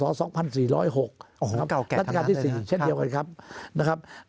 รัฐกาลที่๔เช่นเดียวกันครับ